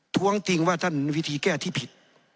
้วงติงว่าท่านวิธีแก้ที่ผิด